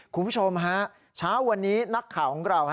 คุณผู้ชมฮะเช้าวันนี้นักข่าวของเรา